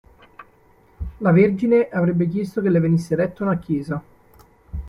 La Vergine avrebbe chiesto che le venisse eretta una chiesa.